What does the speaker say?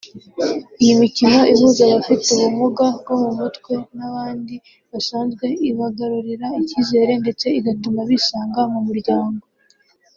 Iyi mikino ihuza abafite ubumuga bwo mu mutwe n’abandi basanzwe ibagarurira icyizere ndetse igatuma bisanga mu muryango